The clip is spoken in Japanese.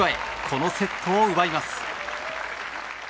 このセットを奪います。